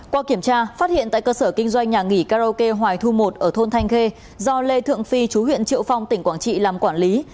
qua kiểm tra phát hiện tại cơ sở kinh doanh nhà nghỉ karaoke hoài thu một ở thôn thanh khê do lê thượng phi chú huyện triệu phong tỉnh quảng trị làm quản lý